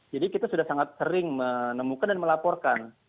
jadi kita sudah sangat sering menemukan dan melaporkan